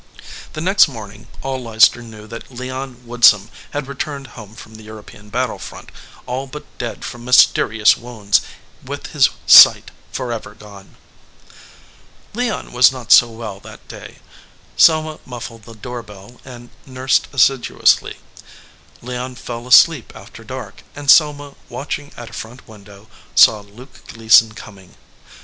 The next afternoon all Leicester knew that Leon Woodsum had returned home from the European battle front all but dead from mysterious wounds, with his sight forever gone. Leon was not so well that day. Selma muffled the door bell and nursed assiduously. Leon fell asleep after dark, and Selma, watching at a front window, saw Luke Gleason coming.